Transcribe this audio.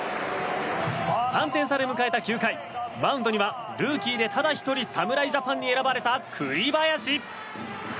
３点差で迎えた９回マウンドにはルーキーでただ１人侍ジャパンに選ばれた栗林。